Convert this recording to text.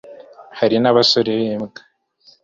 hari na basore bimbwa